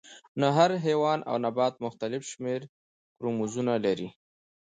نه هر حیوان او نبات مختلف شمیر کروموزومونه لري